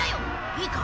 いいか？